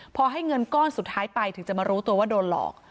พอให้เงินก้อนสุดท้ายไปถึงจะมารู้ตัวว่าโดนหลอก